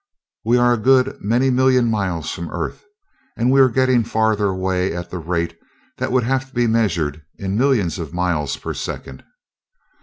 "We are a good many million miles from the Earth, and we are getting farther away at a rate that would have to be measured in millions of miles per second."